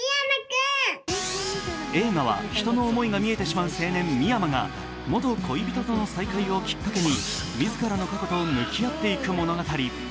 映画は人の思いが見えてしまう青年・未山が元恋人との再会をきっかけに、自らの過去と向き合っていく物語。